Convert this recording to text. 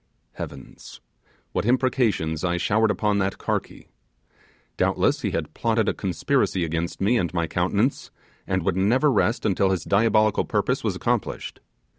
Heavens! what imprecations I showered upon that Karky. Doubtless he had plotted a conspiracy against me and my countenance, and would never rest until his diabolical purpose was accomplished.